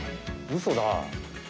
うそだ！